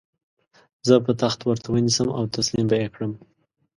زه به تخت ورته ونیسم او تسلیم به یې کړم.